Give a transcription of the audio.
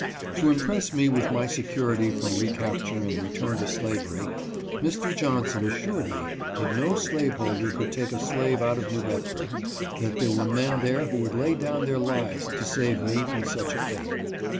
To impress me with my security from re capture and return to slavery, Mr. Johnson assured me that no slaveholder could take a slave out of New Bed ford ; that there were men there who would lay down their lives to save me from such a fate.